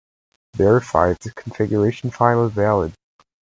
Verify if the configuration file is valid.